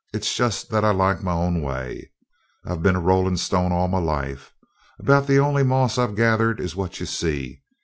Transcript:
"It's just that I like my own way. I've been a rolling stone all my life. About the only moss I've gathered is what you see."